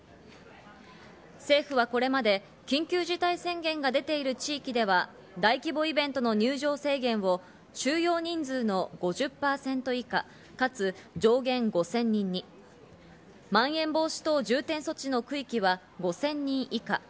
政府はこれまで緊急事態宣言が出ている地域では、大規模イベントの入場制限を収容人数の５０％以下かつ上限５０００人に、まん延防止等重点措置の区域は５０００人以下。